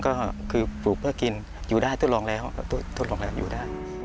ก็คือปลูกเพื่อกินอยู่ได้ทดลองแล้วทดลองแล้วอยู่ได้